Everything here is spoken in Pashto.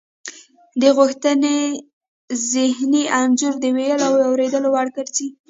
د غوښتنې ذهني انځور د ویلو او اوریدلو وړ ګرځي